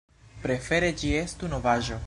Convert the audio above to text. Prefere ĝi estu novaĵo.